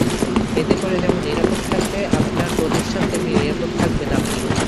এতে করে যেমন নিরাপদ থাকবে আপনার প্রতিষ্ঠান, তেমনি নিরাপদ থাকবেন আপনিও।